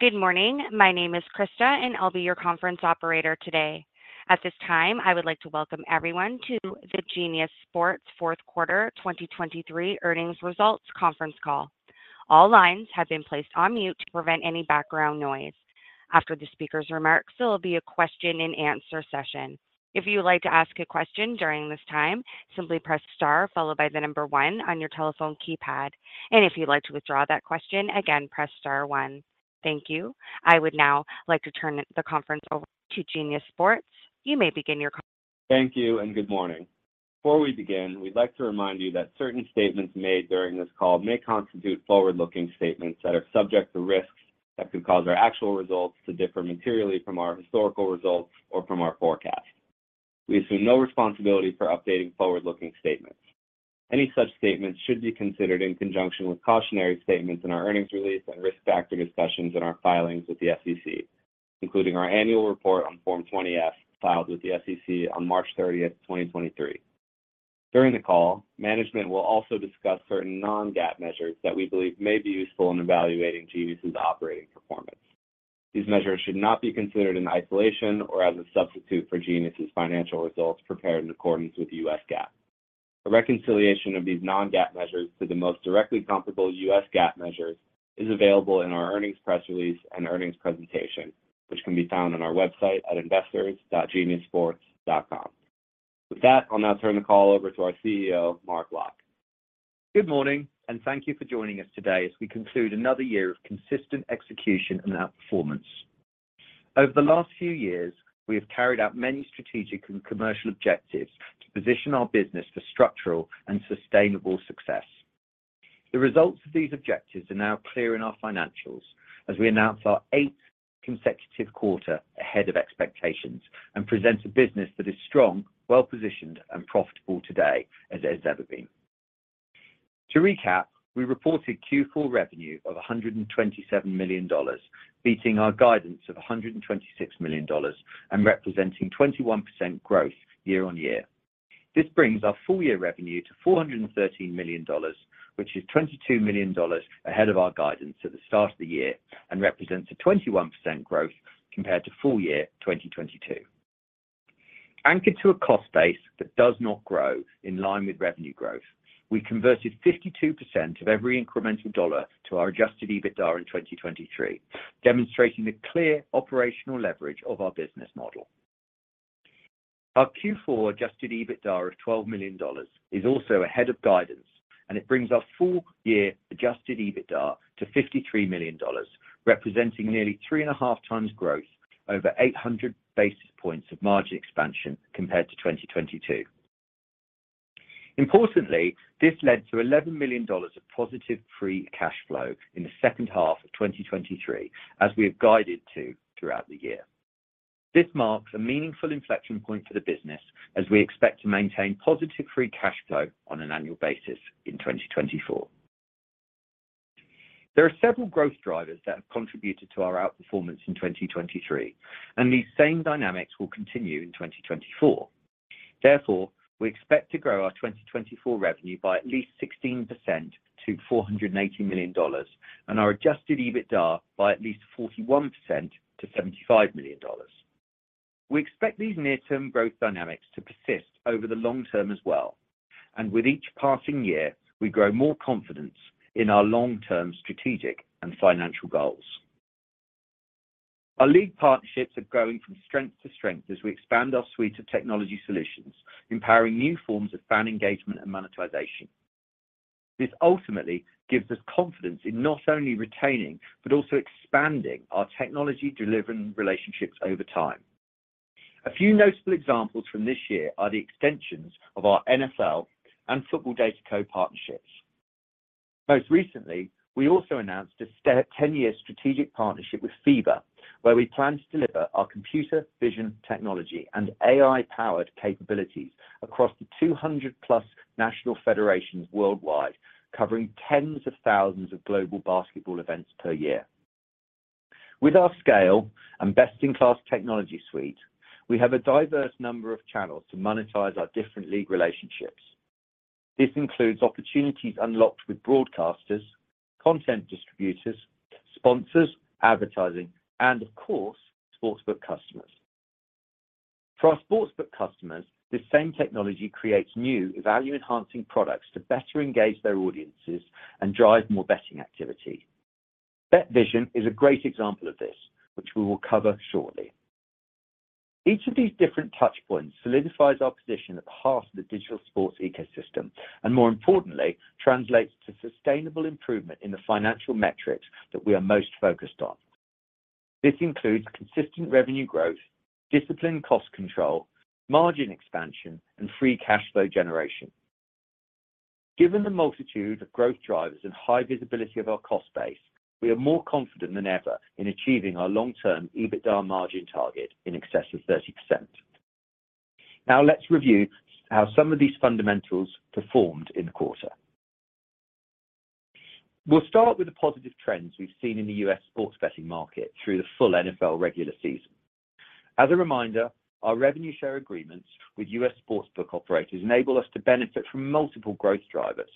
Good morning. My name is Krista, and I'll be your conference operator today. At this time, I would like to welcome everyone to the Genius Sports Fourth Quarter 2023 Earnings Results Conference Call. All lines have been placed on mute to prevent any background noise. After the speaker's remarks, there will be a question and answer session. If you would like to ask a question during this time, simply press star followed by the number one on your telephone keypad. And if you'd like to withdraw that question, again, press star one. Thank you. I would now like to turn the conference over to Genius Sports. You may begin your- Thank you, and good morning. Before we begin, we'd like to remind you that certain statements made during this call may constitute forward-looking statements that are subject to risks that could cause our actual results to differ materially from our historical results or from our forecast. We assume no responsibility for updating forward-looking statements. Any such statements should be considered in conjunction with cautionary statements in our earnings release and risk factor discussions in our filings with the SEC, including our annual report on Form 20-F, filed with the SEC on March 30, 2023. During the call, management will also discuss certain non-GAAP measures that we believe may be useful in evaluating Genius's operating performance. These measures should not be considered in isolation or as a substitute for Genius's financial results prepared in accordance with U.S. GAAP. A reconciliation of these non-GAAP measures to the most directly comparable U.S. GAAP measures is available in our earnings press release and earnings presentation, which can be found on our website at investors.geniussports.com. With that, I'll now turn the call over to our CEO, Mark Locke. Good morning, and thank you for joining us today as we conclude another year of consistent execution and outperformance. Over the last few years, we have carried out many strategic and commercial objectives to position our business for structural and sustainable success. The results of these objectives are now clear in our financials as we announce our eighth consecutive quarter ahead of expectations and present a business that is strong, well-positioned, and profitable today as it has ever been. To recap, we reported Q4 revenue of $127 million, beating our guidance of $126 million and representing 21% growth year-over-year. This brings our full-year revenue to $413 million, which is $22 million ahead of our guidance at the start of the year and represents a 21% growth compared to full year 2022. Anchored to a cost base that does not grow in line with revenue growth, we converted 52% of every incremental dollar to our adjusted EBITDA in 2023, demonstrating the clear operational leverage of our business model. Our Q4 adjusted EBITDA of $12 million is also ahead of guidance, and it brings our full-year adjusted EBITDA to $53 million, representing nearly 3.5 times growth over 800 basis points of margin expansion compared to 2022. Importantly, this led to $11 million of positive free cash flow in the second half of 2023, as we have guided to throughout the year. This marks a meaningful inflection point for the business as we expect to maintain positive free cash flow on an annual basis in 2024. There are several growth drivers that have contributed to our outperformance in 2023, and these same dynamics will continue in 2024. Therefore, we expect to grow our 2024 revenue by at least 16% to $480 million and our Adjusted EBITDA by at least 41% to $75 million. We expect these near-term growth dynamics to persist over the long term as well, and with each passing year, we grow more confidence in our long-term strategic and financial goals. Our league partnerships are growing from strength to strength as we expand our suite of technology solutions, empowering new forms of fan engagement and monetization. This ultimately gives us confidence in not only retaining, but also expanding our technology delivery relationships over time. A few notable examples from this year are the extensions of our NFL and Football DataCo partnerships. Most recently, we also announced a 10-year strategic partnership with FIBA, where we plan to deliver our computer vision technology and AI-powered capabilities across the 200+ national federations worldwide, covering tens of thousands of global basketball events per year. With our scale and best-in-class technology suite, we have a diverse number of channels to monetize our different league relationships. This includes opportunities unlocked with broadcasters, content distributors, sponsors, advertising, and of course, sportsbook customers. For our sportsbook customers, this same technology creates new value-enhancing products to better engage their audiences and drive more betting activity. BetVision is a great example of this, which we will cover shortly. Each of these different touchpoints solidifies our position at the heart of the digital sports ecosystem, and more importantly, translates to sustainable improvement in the financial metrics that we are most focused on. This includes consistent revenue growth, disciplined cost control, margin expansion, and free cash flow generation. Given the multitude of growth drivers and high visibility of our cost base, we are more confident than ever in achieving our long-term EBITDA margin target in excess of 30%. Now, let's review how some of these fundamentals performed in the quarter. We'll start with the positive trends we've seen in the U.S. sports betting market through the full NFL regular season.... As a reminder, our revenue share agreements with U.S. sportsbook operators enable us to benefit from multiple growth drivers,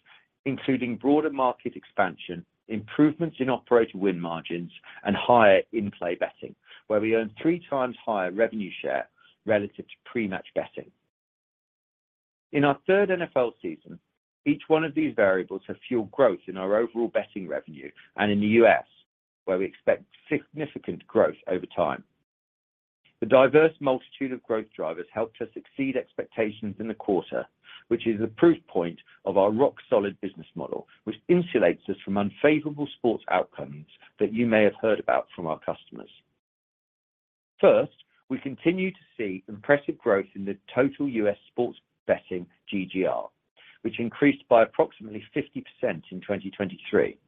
including broader market expansion, improvements in operator win margins, and higher in-play betting, where we earn three times higher revenue share relative to pre-match betting. In our third NFL season, each one of these variables have fueled growth in our overall betting revenue and in the U.S., where we expect significant growth over time. The diverse multitude of growth drivers helped us exceed expectations in the quarter, which is a proof point of our rock-solid business model, which insulates us from unfavorable sports outcomes that you may have heard about from our customers. First, we continue to see impressive growth in the total U.S. sports betting GGR, which increased by approximately 50% in 2023.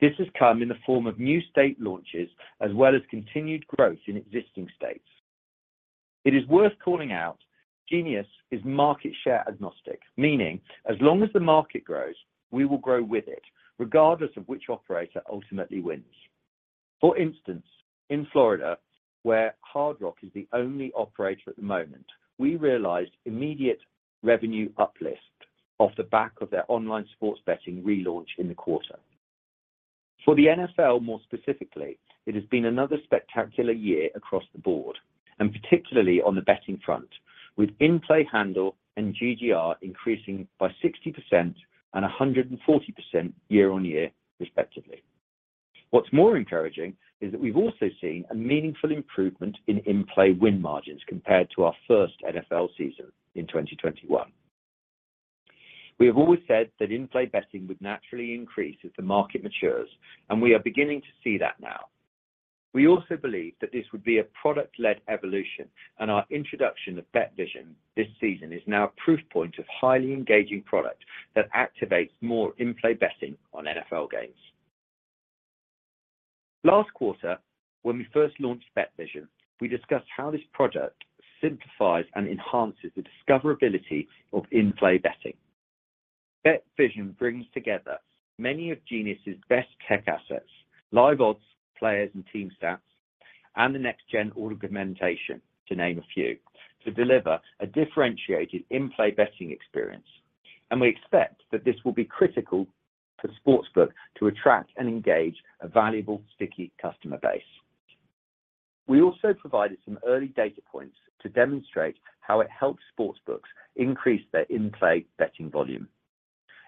This has come in the form of new state launches, as well as continued growth in existing states. It is worth calling out, Genius is market share agnostic, meaning as long as the market grows, we will grow with it, regardless of which operator ultimately wins. For instance, in Florida, where Hard Rock is the only operator at the moment, we realized immediate revenue uplift off the back of their online sports betting relaunch in the quarter. For the NFL, more specifically, it has been another spectacular year across the board, and particularly on the betting front, with in-play handle and GGR increasing by 60% and 140% year-on-year, respectively. What's more encouraging is that we've also seen a meaningful improvement in in-play win margins compared to our first NFL season in 2021. We have always said that in-play betting would naturally increase as the market matures, and we are beginning to see that now. We also believe that this would be a product-led evolution, and our introduction of BetVision this season is now a proof point of highly engaging product that activates more in-play betting on NFL games. Last quarter, when we first launched BetVision, we discussed how this product simplifies and enhances the discoverability of in-play betting. BetVision brings together many of Genius's best tech assets, live odds, players and team stats, and the next-gen augmentation, to name a few, to deliver a differentiated in-play betting experience, and we expect that this will be critical for sportsbook to attract and engage a valuable, sticky customer base. We also provided some early data points to demonstrate how it helped sportsbooks increase their in-play betting volume.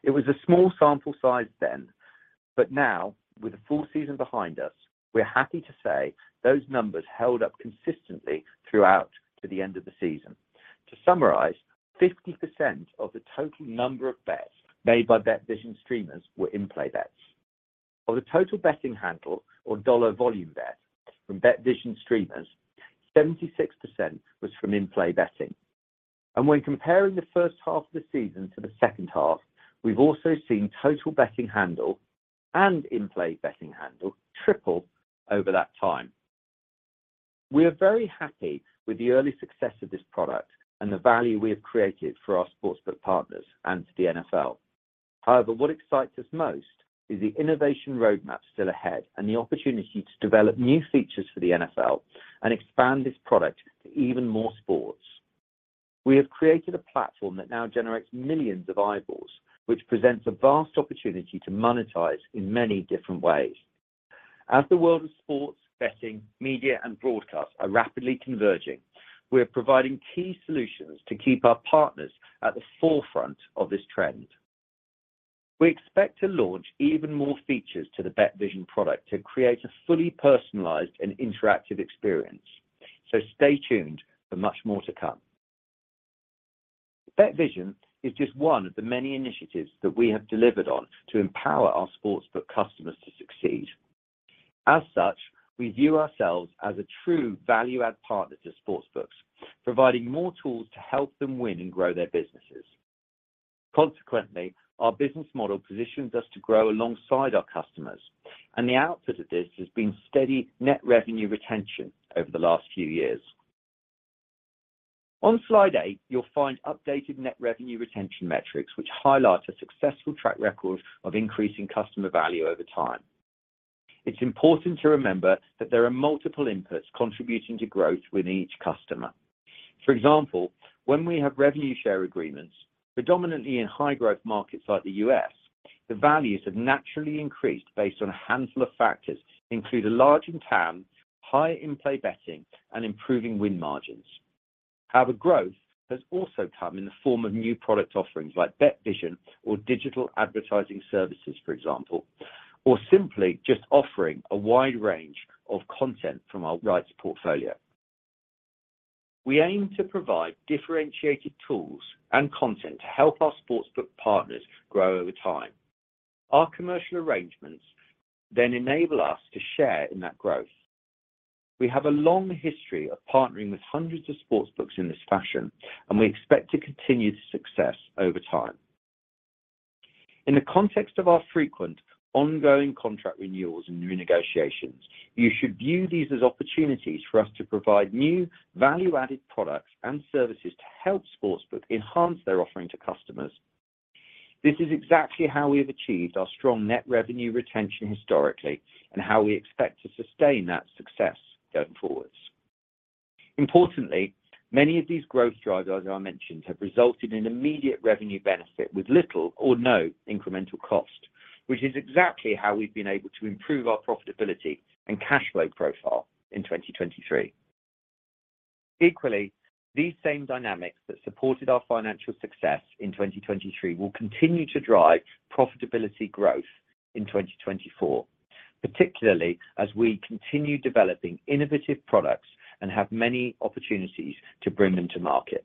It was a small sample size then, but now, with a full season behind us, we're happy to say those numbers held up consistently throughout to the end of the season. To summarize, 50% of the total number of bets made by BetVision streamers were in-play bets. Of the total betting handle or dollar volume bet from BetVision streamers, 76% was from in-play betting. When comparing the first half of the season to the second half, we've also seen total betting handle and in-play betting handle triple over that time. We are very happy with the early success of this product and the value we have created for our sportsbook partners and to the NFL. However, what excites us most is the innovation roadmap still ahead and the opportunity to develop new features for the NFL and expand this product to even more sports. We have created a platform that now generates millions of eyeballs, which presents a vast opportunity to monetize in many different ways. As the world of sports, betting, media, and broadcast are rapidly converging, we are providing key solutions to keep our partners at the forefront of this trend. We expect to launch even more features to the BetVision product to create a fully personalized and interactive experience, so stay tuned for much more to come. BetVision is just one of the many initiatives that we have delivered on to empower our sportsbook customers to succeed. As such, we view ourselves as a true value-add partner to sportsbooks, providing more tools to help them win and grow their businesses. Consequently, our business model positions us to grow alongside our customers, and the output of this has been steady net revenue retention over the last few years. On slide eight, you'll find updated net revenue retention metrics, which highlight a successful track record of increasing customer value over time. It's important to remember that there are multiple inputs contributing to growth with each customer. For example, when we have revenue share agreements, predominantly in high-growth markets like the U.S., the values have naturally increased based on a handful of factors, including a large handle, high in-play betting, and improving win margins. However, growth has also come in the form of new product offerings like BetVision or digital advertising services, for example, or simply just offering a wide range of content from our rights portfolio. We aim to provide differentiated tools and content to help our sportsbook partners grow over time. Our commercial arrangements then enable us to share in that growth. We have a long history of partnering with hundreds of sportsbooks in this fashion, and we expect to continue the success over time. In the context of our frequent ongoing contract renewals and new negotiations, you should view these as opportunities for us to provide new value-added products and services to help sportsbooks enhance their offerings to customers. This is exactly how we have achieved our strong net revenue retention historically, and how we expect to sustain that success going forward. Importantly, many of these growth drivers, as I mentioned, have resulted in immediate revenue benefits with little or no incremental cost, which is exactly how we've been able to improve our profitability and cash flow profile in 2023. Equally, these same dynamics that supported our financial success in 2023 will continue to drive profitability growth in 2024, particularly as we continue developing innovative products and have many opportunities to bring them to market.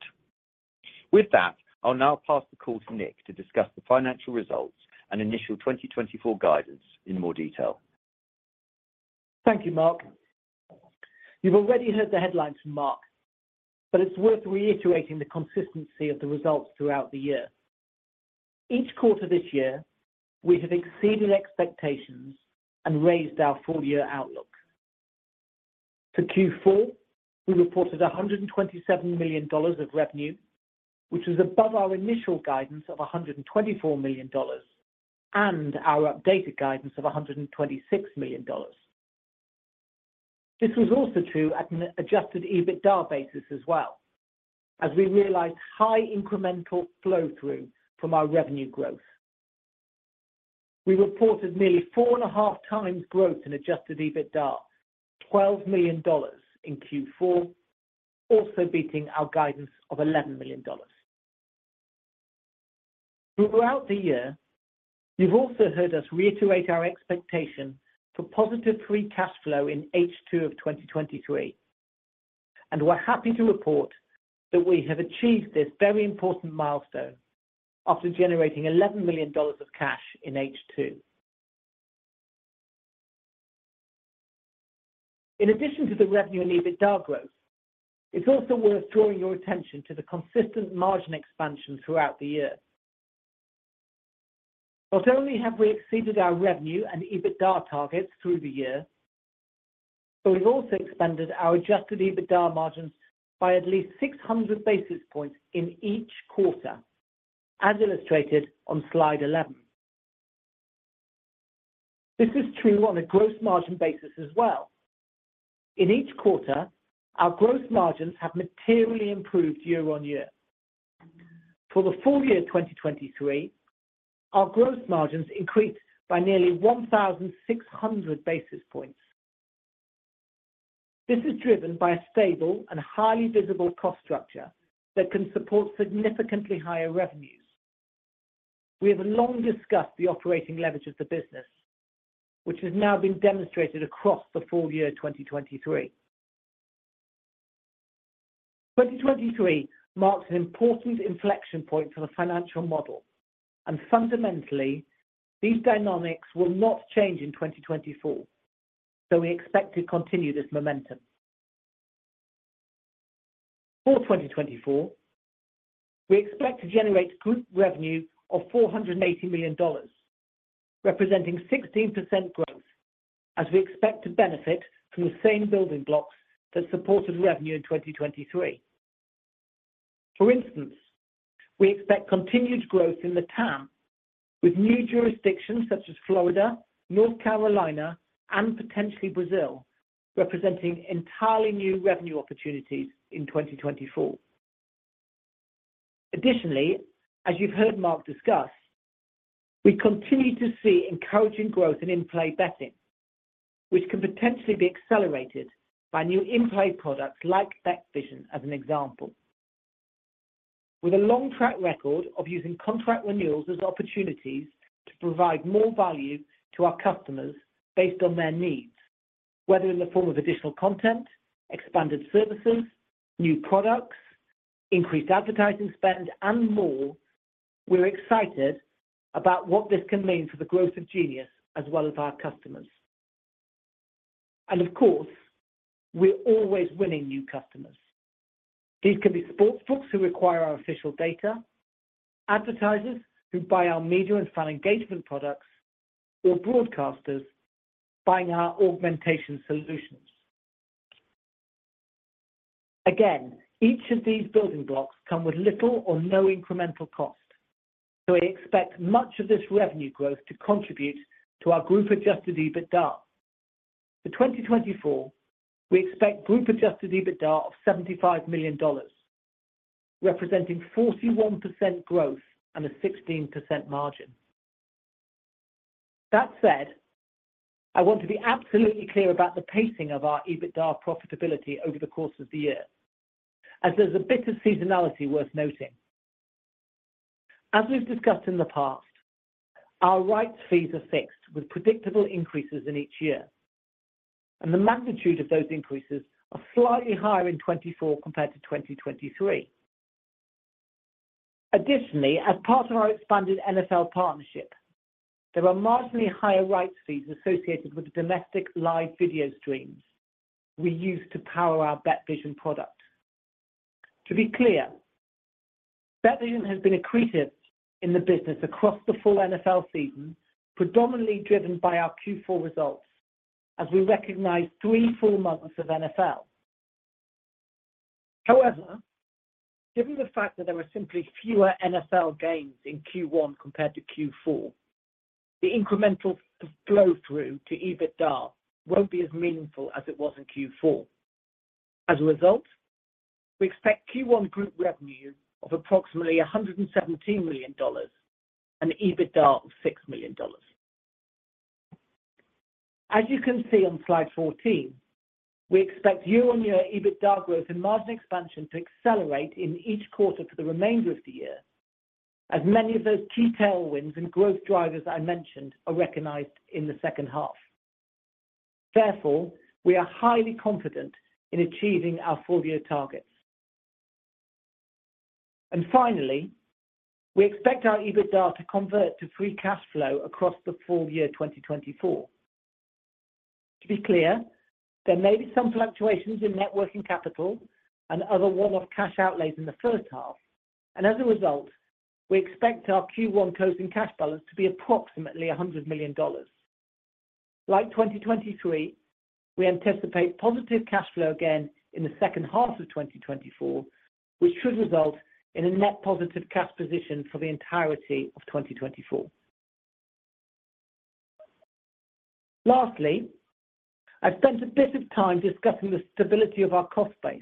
With that, I'll now pass the call to Nick to discuss the financial results and initial 2024 guidance in more detail. Thank you, Mark. You've already heard the headlines from Mark, but it's worth reiterating the consistency of the results throughout the year. Each quarter this year, we have exceeded expectations and raised our full year outlook. For Q4, we reported $127 million of revenue, which is above our initial guidance of $124 million and our updated guidance of $126 million. This was also true at an adjusted EBITDA basis as well. As we realized, high incremental flow-through from our revenue growth. We reported nearly 4.5 times growth in adjusted EBITDA, $12 million in Q4, also beating our guidance of $11 million. Throughout the year, you've also heard us reiterate our expectation for positive free cash flow in H2 of 2023, and we're happy to report that we have achieved this very important milestone after generating $11 million of cash in H2. In addition to the revenue and EBITDA growth, it's also worth drawing your attention to the consistent margin expansion throughout the year. Not only have we exceeded our revenue and EBITDA targets through the year, but we've also expanded our Adjusted EBITDA margins by at least 600 basis points in each quarter, as illustrated on slide 11. This is true on a gross margin basis as well. In each quarter, our gross margins have materially improved year-on-year. For the full year 2023, our gross margins increased by nearly 1,600 basis points. This is driven by a stable and highly visible cost structure that can support significantly higher revenues. We have long discussed the operating leverage of the business, which has now been demonstrated across the full year 2023. 2023 marks an important inflection point for the financial model, and fundamentally, these dynamics will not change in 2024, so we expect to continue this momentum. For 2024, we expect to generate group revenue of $480 million, representing 16% growth, as we expect to benefit from the same building blocks that supported revenue in 2023. For instance, we expect continued growth in the TAM, with new jurisdictions such as Florida, North Carolina, and potentially Brazil, representing entirely new revenue opportunities in 2024. Additionally, as you've heard Mark discuss, we continue to see encouraging growth in in-play betting, which can potentially be accelerated by new in-play products like BetVision, as an example. With a long track record of using contract renewals as opportunities to provide more value to our customers based on their needs, whether in the form of additional content, expanded services, new products, increased advertising spend, and more, we're excited about what this can mean for the growth of Genius as well as our customers. And of course, we're always winning new customers. These can be sportsbooks who require our official data, advertisers who buy our media and fan engagement products, or broadcasters buying our augmentation solutions. Again, each of these building blocks come with little or no incremental cost, so we expect much of this revenue growth to contribute to our group-adjusted EBITDA. For 2024, we expect group-Adjusted EBITDA of $75 million, representing 41% growth and a 16% margin. That said, I want to be absolutely clear about the pacing of our EBITDA profitability over the course of the year, as there's a bit of seasonality worth noting. As we've discussed in the past, our rights fees are fixed with predictable increases in each year, and the magnitude of those increases are slightly higher in 2024 compared to 2023. Additionally, as part of our expanded NFL partnership, there are marginally higher rights fees associated with the domestic live video streams we use to power our BetVision product. To be clear, BetVision has been accretive in the business across the full NFL season, predominantly driven by our Q4 results as we recognize three full months of NFL.... However, given the fact that there are simply fewer NFL games in Q1 compared to Q4, the incremental flow-through to EBITDA won't be as meaningful as it was in Q4. As a result, we expect Q1 group revenue of approximately $117 million and EBITDA of $6 million. As you can see on slide 14, we expect year-on-year EBITDA growth and margin expansion to accelerate in each quarter for the remainder of the year, as many of those key tailwinds and growth drivers I mentioned are recognized in the second half. Therefore, we are highly confident in achieving our full-year targets. And finally, we expect our EBITDA to convert to free cash flow across the full year 2024. To be clear, there may be some fluctuations in net working capital and other one-off cash outlays in the first half, and as a result, we expect our Q1 closing cash balance to be approximately $100 million. Like 2023, we anticipate positive cash flow again in the second half of 2024, which should result in a net positive cash position for the entirety of 2024. Lastly, I've spent a bit of time discussing the stability of our cost base,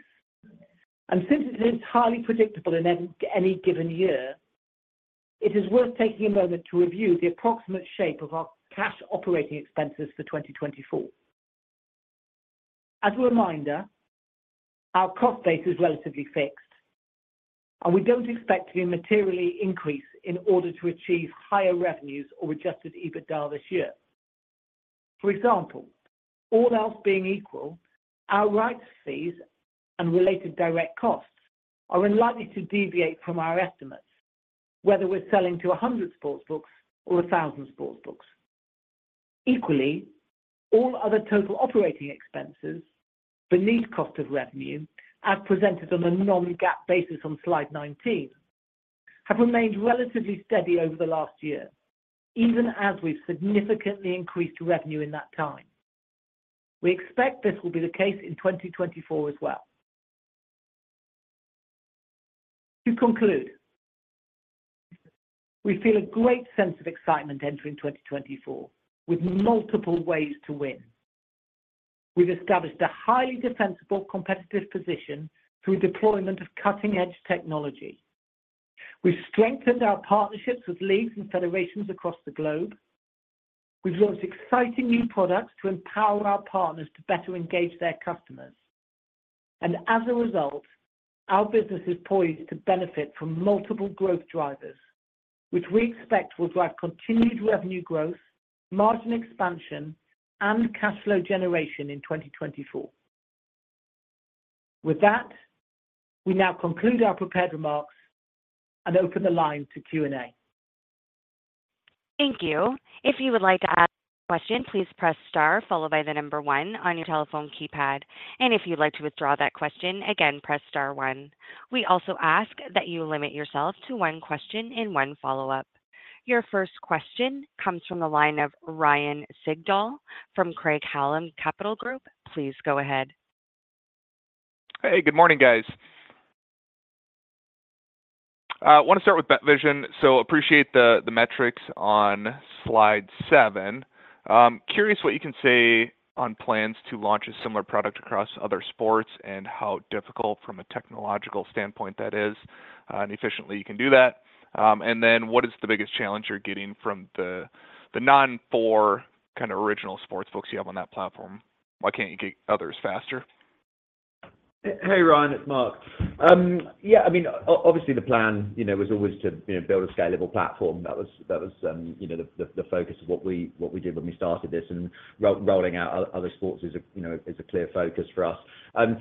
and since it is highly predictable in any given year, it is worth taking a moment to review the approximate shape of our cash operating expenses for 2024. As a reminder, our cost base is relatively fixed, and we don't expect to materially increase in order to achieve higher revenues or adjusted EBITDA this year. For example, all else being equal, our rights fees and related direct costs are unlikely to deviate from our estimates, whether we're selling to 100 sportsbooks or 1,000 sportsbooks. Equally, all other total operating expenses beneath cost of revenue, as presented on a non-GAAP basis on slide 19, have remained relatively steady over the last year, even as we've significantly increased revenue in that time. We expect this will be the case in 2024 as well. To conclude, we feel a great sense of excitement entering 2024 with multiple ways to win. We've established a highly defensible, competitive position through deployment of cutting-edge technology. We've strengthened our partnerships with leagues and federations across the globe. We've launched exciting new products to empower our partners to better engage their customers. As a result, our business is poised to benefit from multiple growth drivers, which we expect will drive continued revenue growth, margin expansion, and cash flow generation in 2024. With that, we now conclude our prepared remarks and open the line to Q&A. Thank you. If you would like to ask a question, please press star followed by the number one on your telephone keypad, and if you'd like to withdraw that question, again, press star one. We also ask that you limit yourself to one question and one follow-up. Your first question comes from the line of Ryan Sigdahl from Craig-Hallum Capital Group. Please go ahead. Hey, good morning, guys. I want to start with BetVision. So appreciate the, the metrics on slide 7. Curious what you can say on plans to launch a similar product across other sports and how difficult from a technological standpoint that is, and efficiently you can do that. And then what is the biggest challenge you're getting from the, the non-core kind of original sportsbooks you have on that platform? Why can't you get others faster? Hey, Ryan, it's Mark. Yeah, I mean, obviously, the plan, you know, was always to, you know, build a scalable platform. That was, you know, the focus of what we, what we did when we started this, and rolling out other sports is a, you know, is a clear focus for us. In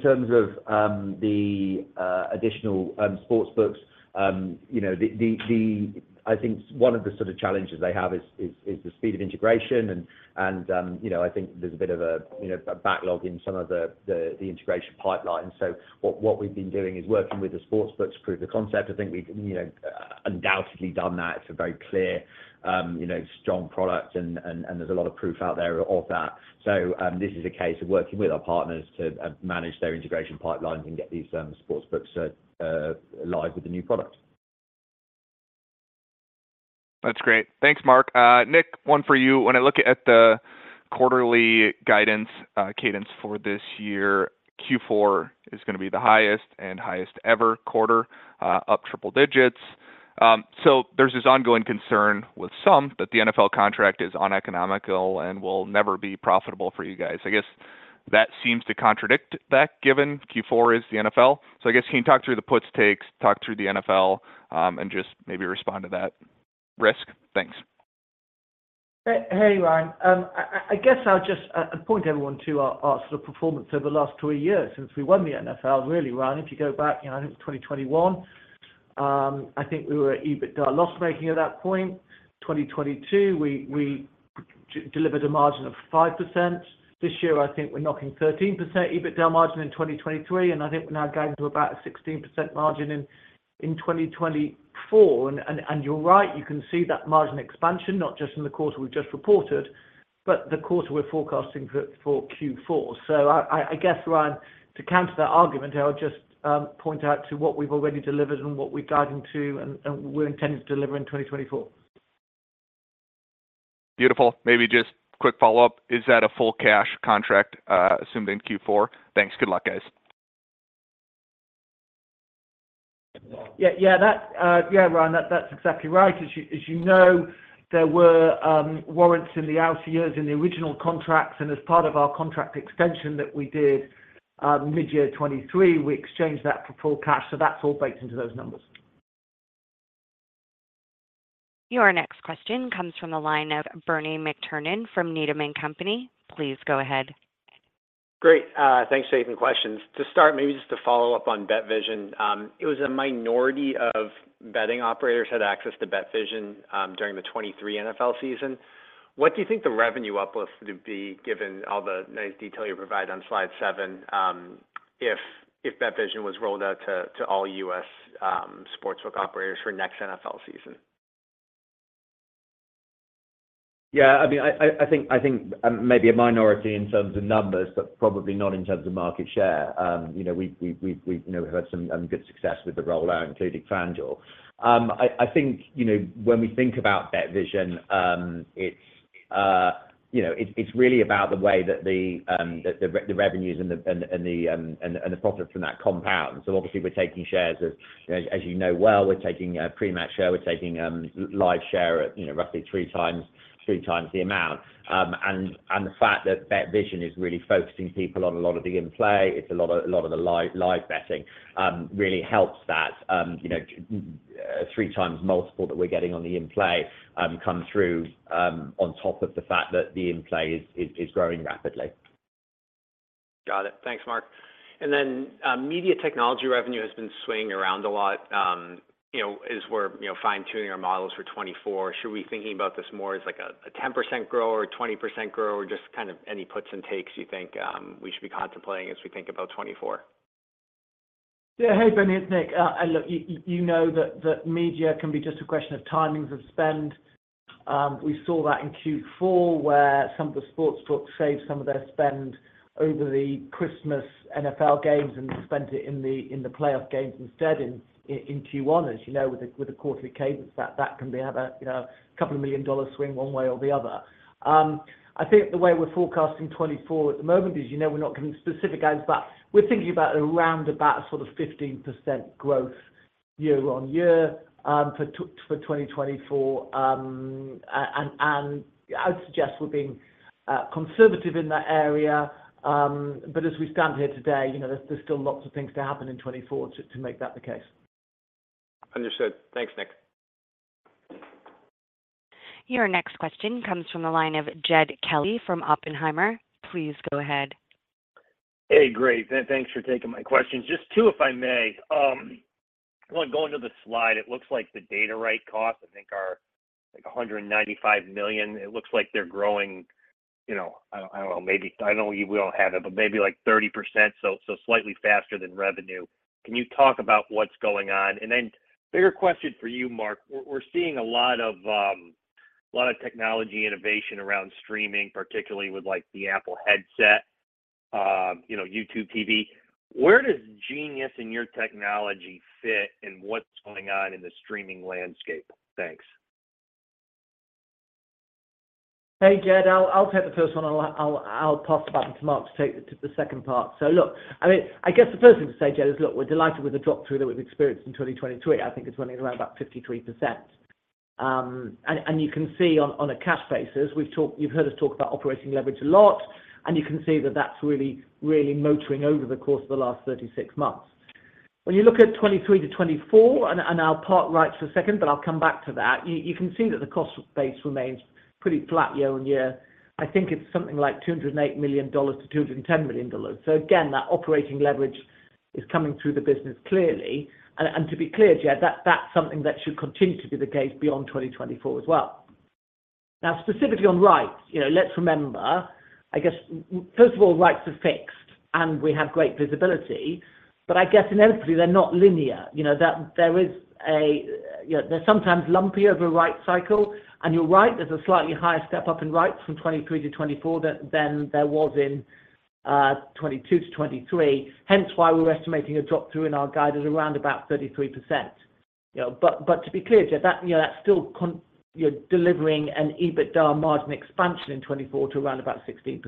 terms of the additional sportsbooks, you know, the-- I think one of the sort of challenges they have is the speed of integration and, you know, I think there's a bit of a, you know, a backlog in some of the integration pipeline. So what, what we've been doing is working with the sportsbooks to prove the concept. I think we've, you know, undoubtedly done that. It's a very clear, you know, strong product, and, and, and there's a lot of proof out there of that. So, this is a case of working with our partners to, manage their integration pipeline and get these, sportsbooks, live with the new product. That's great. Thanks, Mark. Nick, one for you. When I look at the quarterly guidance, cadence for this year, Q4 is gonna be the highest and highest ever quarter, up triple digits. So there's this ongoing concern with some that the NFL contract is uneconomical and will never be profitable for you guys. I guess that seems to contradict that, given Q4 is the NFL. So I guess can you talk through the puts, takes, talk through the NFL, and just maybe respond to that risk? Thanks. Hey, Ryan. I guess I'll just point everyone to our sort of performance over the last two years since we won the NFL. Really, Ryan, if you go back, you know, I think 2021, I think we were EBITDA loss-making at that point. 2022, we delivered a margin of 5%. This year, I think we're knocking 13% EBITDA margin in 2023, and I think we're now going to about a 16% margin in 2024. And you're right, you can see that margin expansion, not just in the quarter we've just reported, but the quarter we're forecasting for Q4. So I guess, Ryan, to counter that argument, I would just point out to what we've already delivered and what we're guiding to and we're intending to deliver in 2024. Beautiful. Maybe just quick follow-up, is that a full cash contract, assumed in Q4? Thanks. Good luck, guys. Yeah, yeah, that, yeah, Ryan, that's exactly right. As you know, there were warrants in the outer years in the original contracts, and as part of our contract extension that we did midyear 2023, we exchanged that for full cash, so that's all baked into those numbers. Your next question comes from the line of Bernie McTernan from Needham & Company. Please go ahead. Great. Thanks for taking questions. To start, maybe just to follow up on BetVision. It was a minority of betting operators had access to BetVision during the 2023 NFL season. What do you think the revenue uplift would be, given all the nice detail you provide on slide 7, if BetVision was rolled out to all U.S. sportsbook operators for next NFL season? Yeah, I mean, I think, maybe a minority in terms of numbers, but probably not in terms of market share. You know, we've had some good success with the rollout, including FanDuel. I think, you know, when we think about BetVision, it's really about the way that the revenues and the profit from that compound. So obviously, we're taking shares of, as you know well, we're taking pre-match share, we're taking live share at, you know, roughly three times the amount. And the fact that BetVision is really focusing people on a lot of the in-play, it's a lot of the live betting, really helps that, you know, 3x multiple that we're getting on the in-play come through, on top of the fact that the in-play is growing rapidly. Got it. Thanks, Mark. And then, media technology revenue has been swaying around a lot, you know, as we're, you know, fine-tuning our models for 2024. Should we be thinking about this more as, like, a 10% grow or a 20% grow, or just kind of any puts and takes you think, we should be contemplating as we think about 2024? Yeah. Hey, Bernie, it's Nick. Look, you know that media can be just a question of timings of spend. We saw that in Q4, where some of the sports books saved some of their spend over the Christmas NFL games and spent it in the playoff games instead in Q1. As you know, with a quarterly cadence, that can have a $2 million-dollar swing one way or the other. I think the way we're forecasting 2024 at the moment is, you know, we're not giving specific guides, but we're thinking about around about sort of 15% growth year-on-year for 2024. I'd suggest we're being conservative in that area, but as we stand here today, you know, there's still lots of things to happen in 2024 to make that the case. Understood. Thanks, Nick. Your next question comes from the line of Jed Kelly from Oppenheimer. Please go ahead. Hey, great. Thanks for taking my questions. Just two, if I may. I want to go into the slide. It looks like the data rights costs, I think, are, like, $195 million. It looks like they're growing, you know, I don't know, maybe... I know you will have it, but maybe, like, 30%, so slightly faster than revenue. Can you talk about what's going on? And then bigger question for you, Mark. We're seeing a lot of lot of technology innovation around streaming, particularly with, like, the Apple headset, you know, YouTube TV. Where does Genius in your technology fit in what's going on in the streaming landscape? Thanks. Hey, Jed, I'll take the first one, and I'll pass the baton to Mark to take the second part. So look, I mean, I guess the first thing to say, Jed, is, look, we're delighted with the drop-through that we've experienced in 2023. I think it's running around about 53%. And you can see on a cash basis, we've talked—you've heard us talk about operating leverage a lot, and you can see that that's really motoring over the course of the last 36 months. When you look at 2023 to 2024, and I'll park rights for a second, but I'll come back to that, you can see that the cost base remains pretty flat year-on-year. I think it's something like $208 million-$210 million. So again, that operating leverage is coming through the business clearly. And to be clear, Jed, that's something that should continue to be the case beyond 2024 as well. Now, specifically on rights, you know, let's remember, I guess, first of all, rights are fixed, and we have great visibility, but I guess inevitably, they're not linear. You know, that there is a, you know, they're sometimes lumpy over a right cycle, and you're right, there's a slightly higher step up in rights from 2023 to 2024 than there was in 2022 to 2023. Hence, why we're estimating a drop-through in our guide is around about 33%. You know, but to be clear, Jed, that, you know, that's still you're delivering an EBITDA margin expansion in 2024 to around about 16%.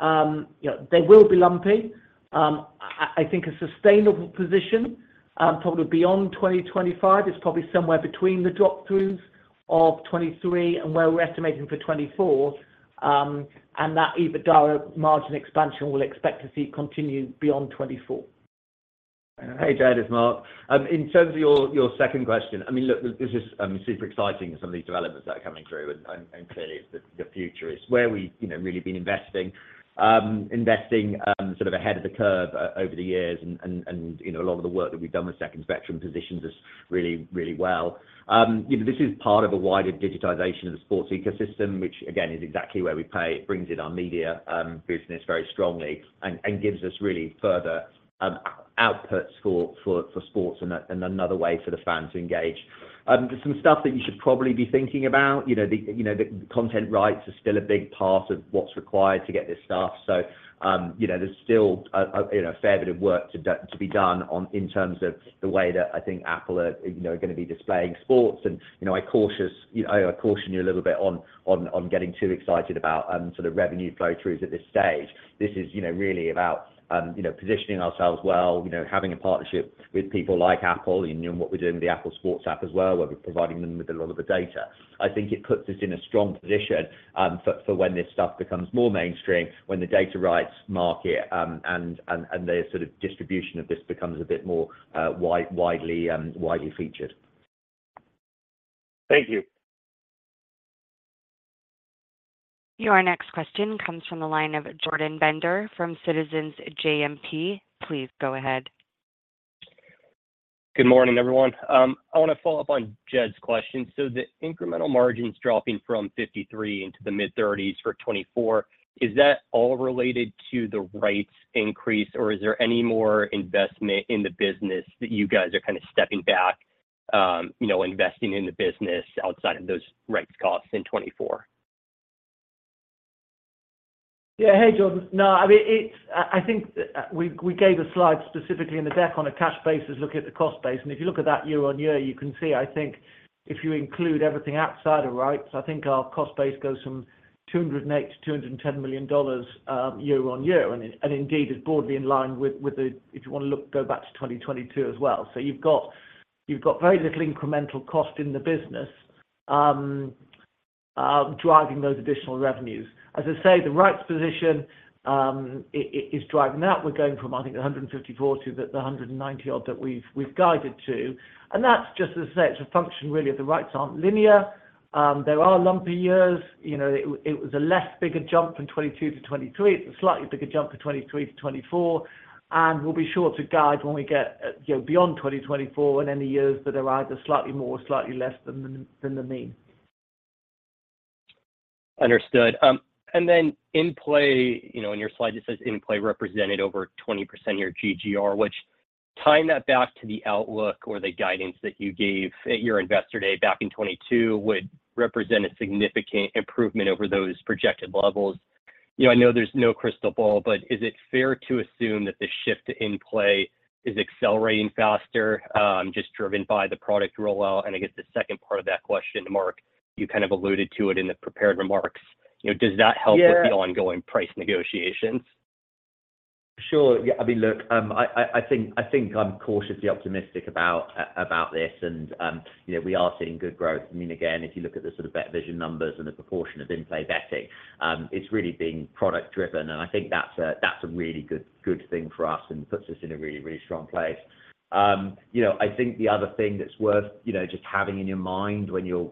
You know, they will be lumpy. I think a sustainable position, probably beyond 2025, is probably somewhere between the drop-throughs of 2023 and where we're estimating for 2024, and that EBITDA margin expansion we'll expect to see continue beyond 2024. Hey, Jed, it's Mark. In terms of your second question, I mean, look, this is super exciting, some of these developments that are coming through, and clearly it's the future. It's where we, you know, really been investing. Investing sort of ahead of the curve over the years, and you know, a lot of the work that we've done with Second Spectrum positions us really, really well. You know, this is part of a wider digitization of the sports ecosystem, which, again, is exactly where we play. It brings in our media business very strongly and gives us really further output score for sports and another way for the fan to engage. There's some stuff that you should probably be thinking about. You know, the content rights are still a big part of what's required to get this stuff. So, you know, there's still a fair bit of work to be done on, in terms of the way that I think Apple are gonna be displaying sports. And, you know, I caution you a little bit on getting too excited about sort of revenue flow-throughs at this stage. This is really about positioning ourselves well, you know, having a partnership with people like Apple, and then what we're doing with the Apple Sports app as well, where we're providing them with a lot of the data. I think it puts us in a strong position, for when this stuff becomes more mainstream, when the data rights market, and the sort of distribution of this becomes a bit more widely featured. Thank you. Your next question comes from the line of Jordan Bender, from Citizens JMP. Please go ahead. Good morning, everyone. I want to follow up on Jed's question. So the incremental margins dropping from 53% into the mid-30s% for 2024, is that all related to the rights increase, or is there any more investment in the business that you guys are kind of stepping back, you know, investing in the business outside of those rights costs in 2024? Yeah. Hey, Jordan. No, I mean, it's. I think we gave a slide specifically in the deck on a cash basis, look at the cost base. If you look at that year-on-year, you can see, I think if you include everything outside of rights, I think our cost base goes from $208 million-$210 million year on year, and indeed is broadly in line with the. If you want to look, go back to 2022 as well. So you've got very little incremental cost in the business driving those additional revenues. As I say, the rights position, it is driving that. We're going from, I think, 154 to the 190-odd that we've guided to, and that's just as I say, it's a function, really, of the rights aren't linear. There are lumpy years. You know, it was a less bigger jump from 2022 to 2023. It's a slightly bigger jump from 2023 to 2024, and we'll be sure to guide when we get, you know, beyond 2024 and any years that arise are slightly more, slightly less than the mean. Understood. And then in play, you know, in your slide, it says in-play represented over 20% of your GGR, which tying that back to the outlook or the guidance that you gave at your Investor Day back in 2022, would represent a significant improvement over those projected levels. You know, I know there's no crystal ball, but is it fair to assume that the shift in play is accelerating faster, just driven by the product roll out? And I guess the second part of that question, Mark, you kind of alluded to it in the prepared remarks, you know, does that help with the ongoing price negotiations? Sure. Yeah, I mean, look, I think I'm cautiously optimistic about this and, you know, we are seeing good growth. I mean, again, if you look at the sort of BetVision numbers and the proportion of in-play betting, it's really being product driven, and I think that's a really good thing for us and puts us in a really strong place. You know, I think the other thing that's worth just having in your mind when you're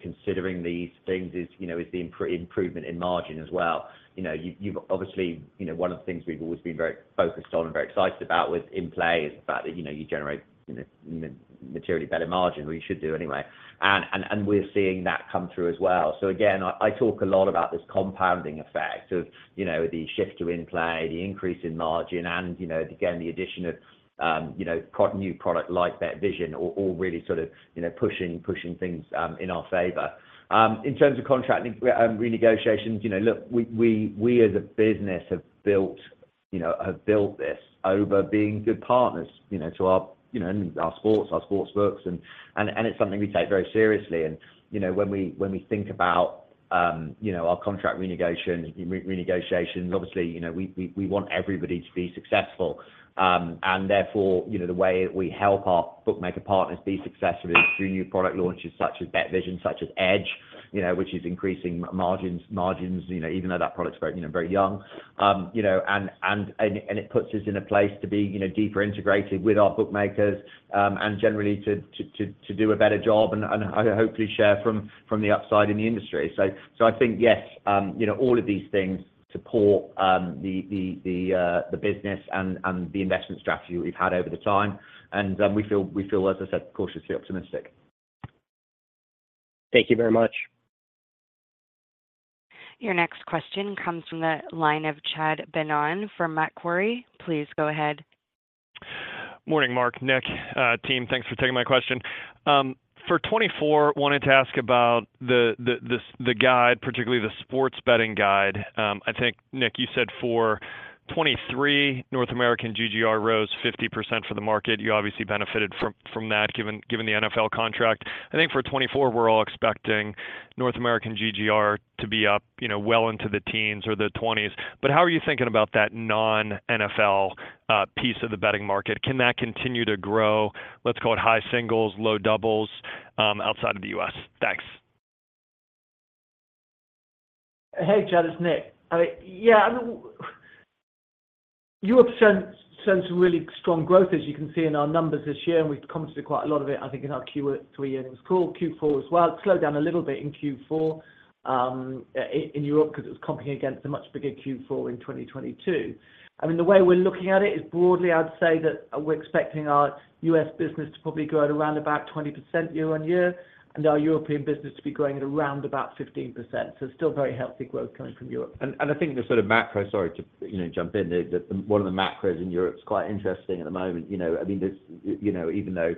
considering these things is the improvement in margin as well. You know, you've obviously you know, one of the things we've always been very focused on and very excited about with in-play is the fact that, you know, you generate materially better margin. We should do anyway. We're seeing that come through as well. So again, I talk a lot about this compounding effect of, you know, the shift to in-play, the increase in margin and, you know, again, the addition of, you know, quite new product like BetVision, all really sort of, you know, pushing things in our favor. In terms of contracting renegotiations, you know, look, we, as a business, have built this over being good partners, you know, to our sports, our sportsbooks, and it's something we take very seriously. You know, when we think about our contract renegotiations, obviously, you know, we want everybody to be successful. And therefore, you know, the way that we help our bookmaker partners be successful is through new product launches, such as BetVision, such as Edge, you know, which is increasing margins, you know, even though that product's very, you know, very young. And it puts us in a place to be, you know, deeper integrated with our bookmakers, and generally to do a better job and hopefully share from the upside in the industry. So I think, yes, you know, all of these things support the business and the investment strategy we've had over the time, and we feel, as I said, cautiously optimistic. Thank you very much. Your next question comes from the line of Chad Beynon from Macquarie. Please go ahead. Morning, Mark, Nick, team, thanks for taking my question. For 2024, wanted to ask about the guide, particularly the sports betting guide. I think, Nick, you said for 2023, North American GGR rose 50% for the market. You obviously benefited from that, given the NFL contract. I think for 2024, we're all expecting North American GGR to be up, you know, well into the teens or the 20s. But how are you thinking about that non-NFL piece of the betting market? Can that continue to grow, let's call it high singles, low doubles, outside of the U.S.? Thanks. Hey, Chad, it's Nick. Yeah, I mean, Europe sent some really strong growth, as you can see in our numbers this year, and we've commented quite a lot of it, I think, in our Q3 earnings call, Q4 as well. It slowed down a little bit in Q4 in Europe, because it was competing against a much bigger Q4 in 2022. I mean, the way we're looking at it is broadly, I'd say that we're expecting our U.S. business to probably grow at around about 20% year-on-year, and our European business to be growing at around about 15%. So it's still very healthy growth coming from Europe. I think the sort of macro - sorry to, you know, jump in there. One of the macros in Europe is quite interesting at the moment, you know, I mean, there's, you know, even though,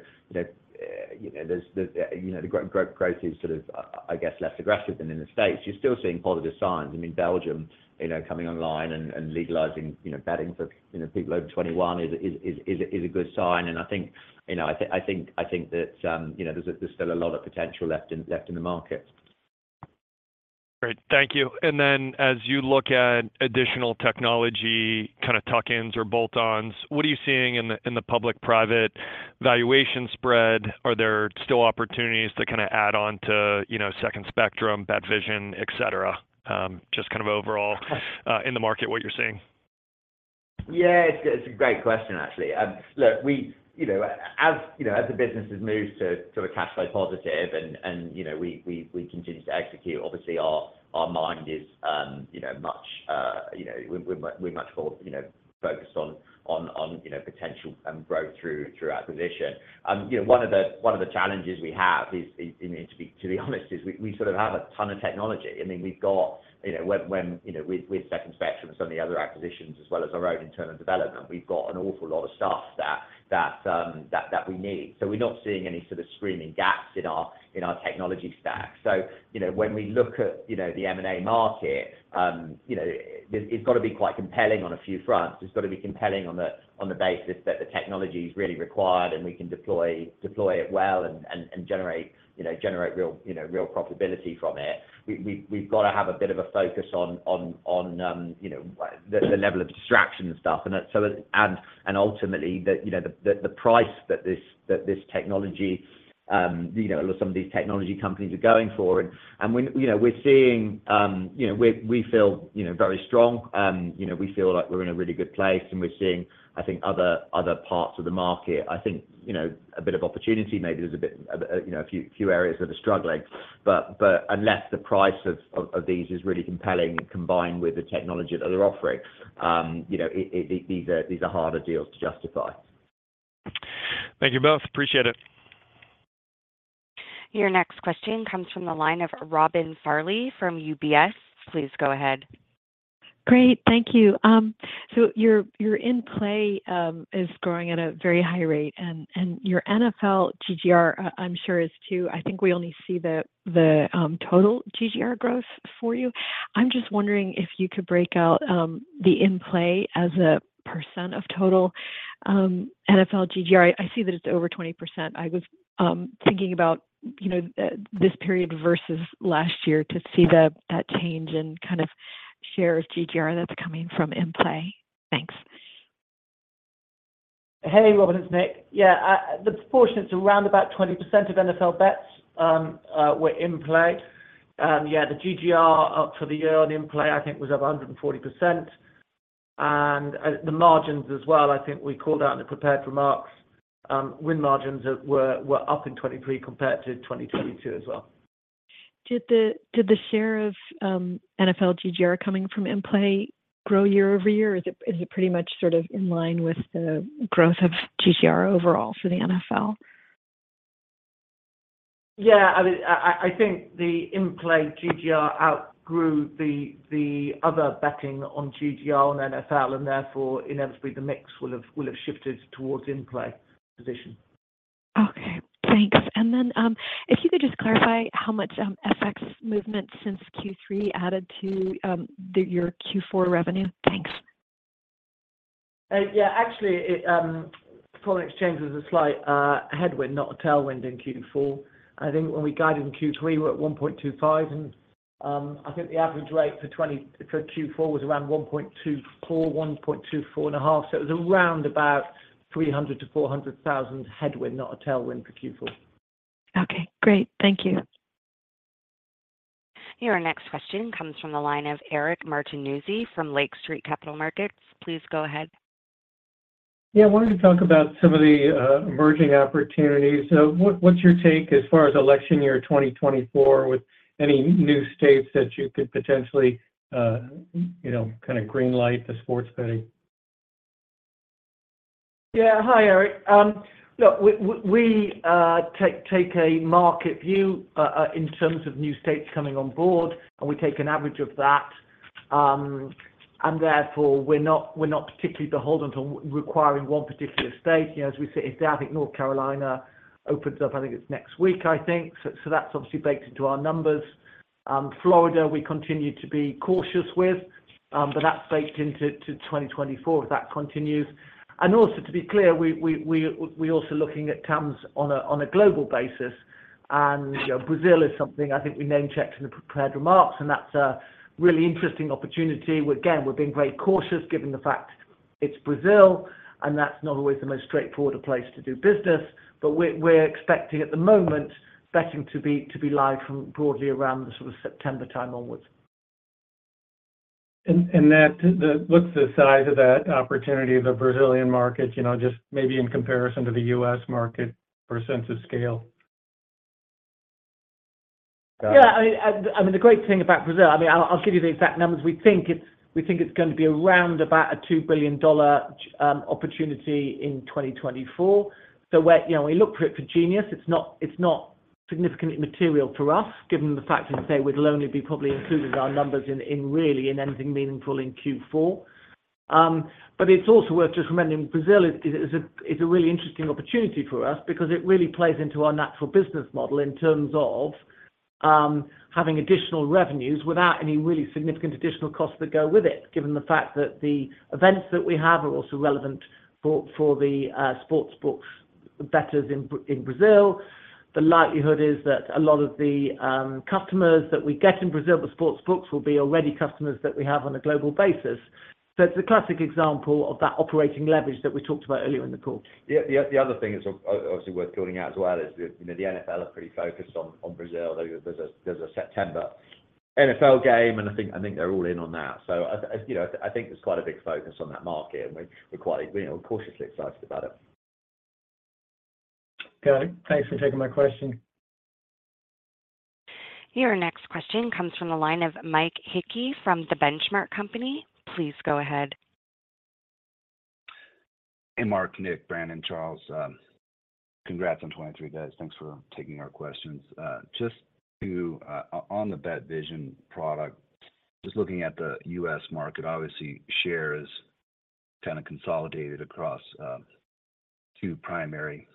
you know, there's the, you know, the growth is sort of, I guess, less aggressive than in the States. You're still seeing positive signs. I mean, Belgium, you know, coming online and legalizing, you know, betting for, you know, people over 21 is a good sign. And I think, you know, I think that, you know, there's still a lot of potential left in the market. Great. Thank you. And then as you look at additional technology, kind of tuck-ins or bolt-ons, what are you seeing in the, in the public-private valuation spread? Are there still opportunities to kind of add on to, you know, Second Spectrum, BetVision, et cetera? Just kind of overall, in the market, what you're seeing. Yeah, it's a great question, actually. Look, you know, as you know, as the business has moved to sort of cash flow positive and, you know, we continue to execute, obviously our mind is, you know, much more focused on potential and growth through acquisition. You know, one of the challenges we have is, and to be honest, we sort of have a ton of technology. I mean, we've got, you know, with Second Spectrum and some of the other acquisitions, as well as our own internal development, we've got an awful lot of stuff that we need. So we're not seeing any sort of screaming gaps in our technology stack. So, you know, when we look at, you know, the M&A market, you know, it's got to be quite compelling on a few fronts. It's got to be compelling on the basis that the technology is really required and we can deploy it well and generate, you know, generate real, you know, real profitability from it. We've got to have a bit of a focus on, you know, the level of distraction and stuff. And ultimately, the, you know, the price that this technology, you know, some of these technology companies are going for. And when, you know, we're seeing, you know, we feel, you know, very strong. You know, we feel like we're in a really good place, and we're seeing, I think, other parts of the market, I think, you know, a bit of opportunity. Maybe there's a bit, you know, a few areas that are struggling. But unless the price of these is really compelling, combined with the technology that they're offering, you know, these are harder deals to justify. Thank you both. Appreciate it. Your next question comes from the line of Robin Farley from UBS. Please go ahead. Great. Thank you. So your in-play is growing at a very high rate, and your NFL GGR, I'm sure, is too. I think we only see the total GGR growth for you. I'm just wondering if you could break out the in-play as a percent of total NFL GGR. I see that it's over 20%. I was thinking about, you know, this period versus last year to see that change and kind of share GGR that's coming from in-play. Thanks. Hey, Robin, it's Nick. Yeah, the proportion, it's around about 20% of NFL bets were in-play. Yeah, the GGR up for the year on in-play, I think, was over 140%. And, the margins as well, I think we called out in the prepared remarks, win margins were up in 2023 compared to 2022 as well. Did the share of NFL GGR coming from in-play grow year-over-year, or is it pretty much sort of in line with the growth of GGR overall for the NFL? Yeah, I mean, I think the in-play GGR outgrew the other betting on GGR on NFL, and therefore, inevitably, the mix will have shifted towards in-play position. Okay, thanks. If you could just clarify how much FX movement since Q3 added to your Q4 revenue? Thanks. Yeah, actually, foreign exchange is a slight headwind, not a tailwind in Q4. I think when we guided in Q3, we were at 1.25, and I think the average rate for 2024, for Q4 was around 1.24, 1.24 and a half. So it was around about $300,000-$400,000 headwind, not a tailwind for Q4. Okay, great. Thank you. Your next question comes from the line of Eric Martinuzzi from Lake Street Capital Markets. Please go ahead. Yeah, I wanted to talk about some of the emerging opportunities. So what's your take as far as election year 2024 with any new states that you could potentially, you know, kind of green light the sports betting? Yeah. Hi, Eric. Look, we take a market view in terms of new states coming on board, and we take an average of that. And therefore, we're not particularly beholden to requiring one particular state. You know, as we sit, I think North Carolina opens up, I think it's next week, I think. So that's obviously baked into our numbers. Florida, we continue to be cautious with, but that's baked into 2024 if that continues. And also, to be clear, we're also looking at terms on a global basis. And you know, Brazil is something I think we name-checked in the prepared remarks, and that's a really interesting opportunity. Again, we're being very cautious, given the fact it's Brazil, and that's not always the most straightforward place to do business. But we're expecting, at the moment, betting to be live from broadly around the sort of September time onwards. What's the size of that opportunity, the Brazilian market? You know, just maybe in comparison to the U.S. market for a sense of scale. Yeah, I mean, the great thing about Brazil, I mean, I'll give you the exact numbers. We think it's going to be around about a $2 billion opportunity in 2024. So we're you know, we look for it for Genius. It's not significantly material for us, given the fact that, say, we'd only be probably including our numbers in anything meaningful in Q4. But it's also worth just reminding, Brazil is a really interesting opportunity for us because it really plays into our natural business model in terms of having additional revenues without any really significant additional costs that go with it, given the fact that the events that we have are also relevant for the sports books bettors in Brazil. The likelihood is that a lot of the customers that we get in Brazil for sports books will be already customers that we have on a global basis. So it's a classic example of that operating leverage that we talked about earlier in the call. Yeah, the other thing that's obviously worth calling out as well is the, you know, the NFL are pretty focused on Brazil. There's a September NFL game, and I think they're all in on that. So as you know, I think there's quite a big focus on that market, and we're quite, you know, cautiously excited about it. Got it. Thanks for taking my question. Your next question comes from the line of Mike Hickey from The Benchmark Company. Please go ahead. Hey, Mark, Nick, Brandon, Josh, congrats on 2023, guys. Thanks for taking our questions. Just to, on the BetVision product, just looking at the U.S. market, obviously, shares kind of consolidated across, two primary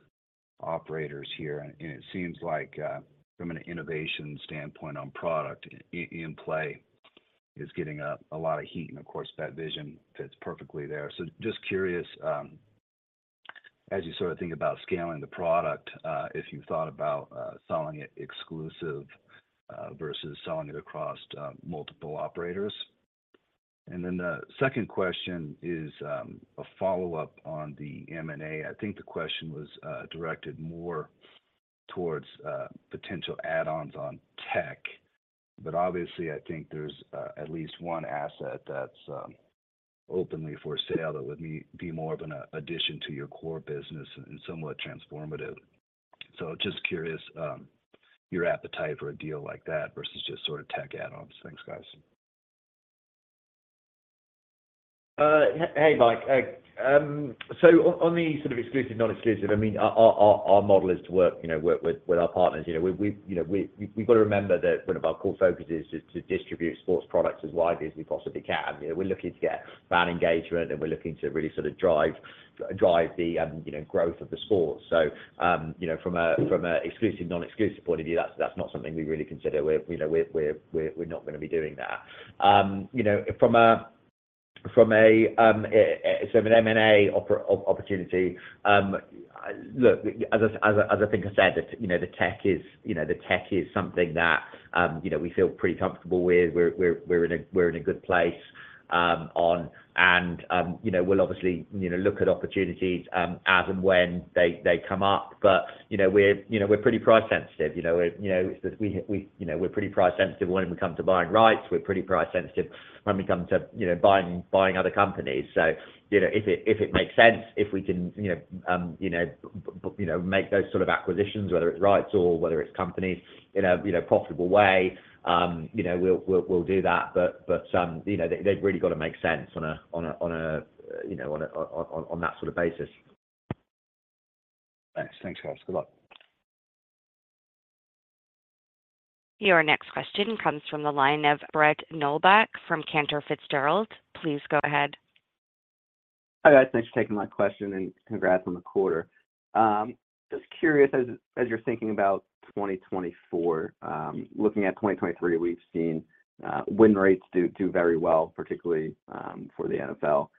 operators here, and it seems like, from an innovation standpoint on product, in-play is getting a, a lot of heat, and of course, BetVision fits perfectly there. So just curious, as you sort of think about scaling the product, if you thought about, selling it exclusive, versus selling it across, multiple operators? And then the second question is, a follow-up on the M&A. I think the question was directed more towards potential add-ons on tech, but obviously, I think there's at least one asset that's openly for sale that would be more of an addition to your core business and somewhat transformative. So just curious, your appetite for a deal like that versus just sort of tech add-ons. Thanks, guys. Hey, Mike. So on the sort of exclusive, non-exclusive, I mean, our model is to work, you know, work with our partners. You know, we've got to remember that one of our core focus is to distribute sports products as widely as we possibly can. You know, we're looking to get fan engagement, and we're looking to really sort of drive the, you know, growth of the sport. So, you know, from a exclusive, non-exclusive point of view, that's not something we really consider. We're, you know, we're not gonna be doing that. You know, from a, so an M&A opportunity, look, as I think I said, you know, the tech is, you know, the tech is something that, you know, we feel pretty comfortable with. We're in a good place, on and, you know, we'll obviously, you know, look at opportunities, as and when they come up. But, you know, we're pretty price sensitive, you know. You know, we, you know, we're pretty price sensitive when it comes to buying rights. We're pretty price sensitive when we come to, you know, buying other companies. So, you know, if it makes sense, if we can, you know, make those sort of acquisitions, whether it's rights or whether it's companies, in a profitable way, you know, we'll do that. But, you know, they've really got to make sense on that sort of basis. Thanks. Thanks, guys. Good luck. Your next question comes from the line of Brett Knoblauch from Cantor Fitzgerald. Please go ahead. Hi, guys. Thanks for taking my question, and congrats on the quarter. Just curious, as you're thinking about 2024, looking at 2023, we've seen win rates do very well, particularly for the NFL.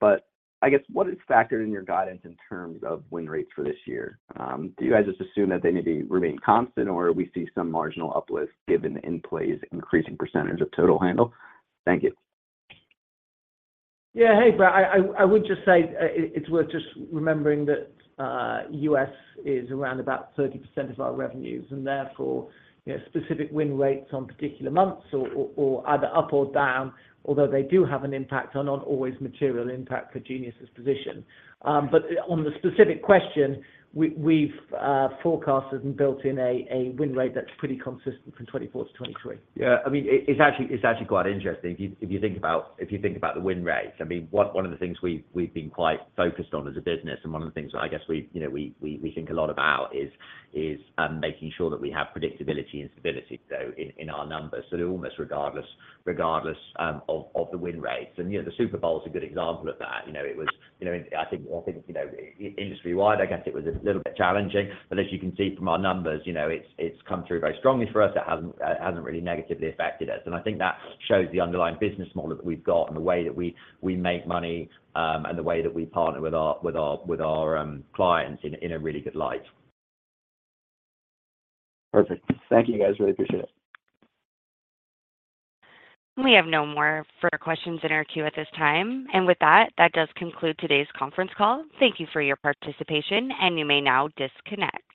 But I guess what is factored in your guidance in terms of win rates for this year? Do you guys just assume that they need to remain constant, or we see some marginal uplift given the in-play's increasing percentage of total handle? Thank you. Yeah. Hey, Brett, I would just say, it's worth just remembering that, U.S. is around about 30% of our revenues, and therefore, you know, specific win rates on particular months or either up or down, although they do have an impact, are not always material impact for Genius's position. But on the specific question, we've forecasted and built in a win rate that's pretty consistent from 2024 to 2023. Yeah, I mean, it's actually, it's actually quite interesting. If you, if you think about, if you think about the win rates, I mean, one, one of the things we've, we've been quite focused on as a business, and one of the things I guess we, you know, we, we, we think a lot about is, is making sure that we have predictability and stability, so in, in our numbers. So almost regardless, regardless, of, of the win rates. You know, the Super Bowl is a good example of that. You know, it was, you know, I think, I think, you know, industry-wide, I guess it was a little bit challenging, but as you can see from our numbers, you know, it's, it's come through very strongly for us. It hasn't, hasn't really negatively affected us. And I think that shows the underlying business model that we've got and the way that we make money, and the way that we partner with our clients in a really good light. Perfect. Thank you, guys. Really appreciate it. We have no more further questions in our queue at this time. With that, that does conclude today's conference call. Thank you for your participation, and you may now disconnect.